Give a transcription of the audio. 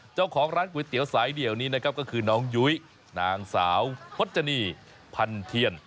เจ้าของร้านก๋วยเตี๋ยวสายเดี่ยวนี้นะครับก็คือน้องยุ้ยนางสาวพจนีพันเทียน